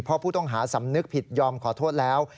เพราะผู้ต้องหาสำนึกผิดยอมขอโทษแล้ว